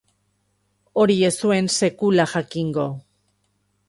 Hori ez zuen sekula jakingo.